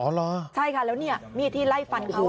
อ๋อเหรอใช่ค่ะแล้วนี่มีที่ไล่ฟันเขา